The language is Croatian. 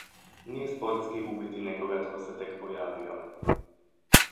Nije sportski ubiti nekoga tko se tek pojavio.